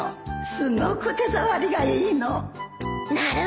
すごく手触りがいいのなるほど！